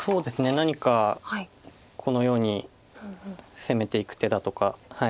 何かこのように攻めていく手だとか。